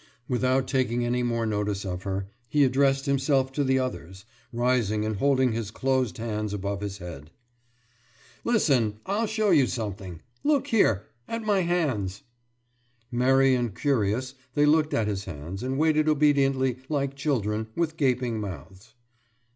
« Without taking any more notice of her, he addressed himself to the others, rising and holding his closed hands above his head. »Listen! I'll show you something! Look here, at my hands!« Merry and curious, they looked at his hands, and waited obediently, like children, with gaping mouths.